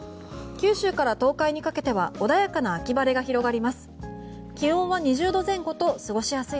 九州から東海にかけては穏やかな秋晴れが広がります。